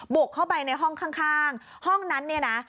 บุกเข้าไปในห้องข้างห้องนั้นเนี่ยนะ